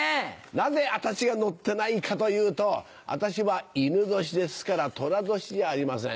なぜ私が載ってないかというと私は戌年ですから寅年じゃありません。